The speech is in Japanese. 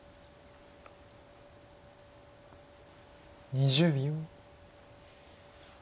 ２０秒。